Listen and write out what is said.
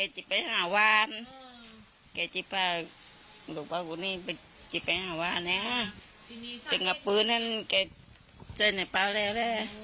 ใจไหนเปล่าแล้วแล้ว